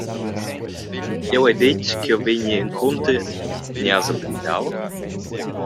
Jau hai detg ch’jeu vegni encunter a ti, ni has emblidau?